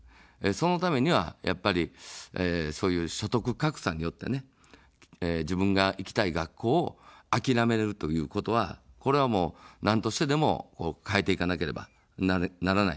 そのためには、やっぱりそういう所得格差によって自分が行きたい学校を諦めるということは、これはもうなんとしてでも、変えていかなければならない話です。